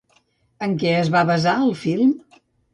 En què es va basar el film?